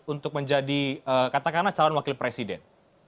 untuk menjadi katakanlah calon wakil presiden